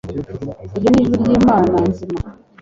iryo ni ijwi ry'imana nzima